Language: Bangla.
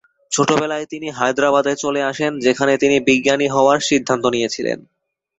ছোটবেলায় তিনি হায়দ্রাবাদে চলে আসেন; যেখানে তিনি বিজ্ঞানী হওয়ার সিদ্ধান্ত নিয়েছিলেন।